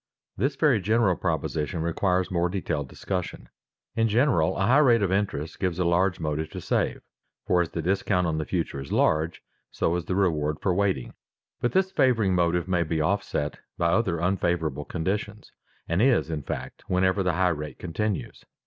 _ This very general proposition requires more detailed discussion. In general, a high rate of interest gives a large motive to save, for as the discount on the future is large, so is the reward for waiting. But this favoring motive may be offset by other unfavorable conditions, and is, in fact, wherever the high rate continues.